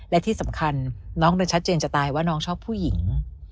และที่สำคัญน้องมันชัดเจนจะตายว่าน้องชอบผู้หญิง